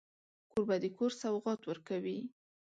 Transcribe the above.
کوربه د کور سوغات ورکوي.